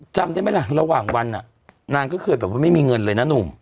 จำได้ไหมล่ะระหว่างวันนางก็เคยแบบว่าไม่มีเงินเลยนะหนุ่ม